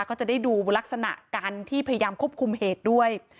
ก็จะได้ดูลักษณะการที่พยายามควบคุมเหตุด้วย